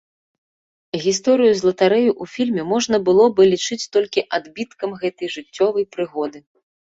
Гісторыю з латарэяй у фільме можна было бы лічыць толькі адбіткам гэтай жыццёвай прыгоды.